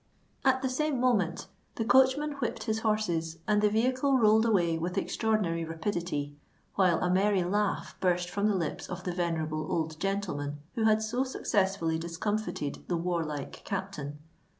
At the same moment the coachman whipped his horses, and the vehicle rolled away with extraordinary rapidity; while a merry laugh burst from the lips of the venerable old gentleman who had so successfully discomfited the warlike captain.